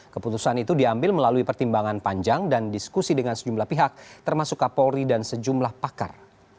keputusan itu diambil melalui pertimbangan panjang dan diskusi dengan sejumlah pihak termasuk kapolri dan sejumlah pakar